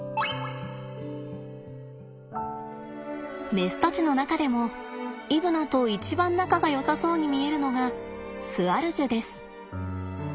メスたちの中でもイブナと一番仲がよさそうに見えるのがスアルジュです。